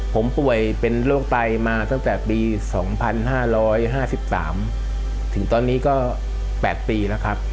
ผมป่วยเป็นโรคไตมาตั้งแต่ปี๒๕๕๓ถึงตอนนี้ก็๘ปีแล้วครับ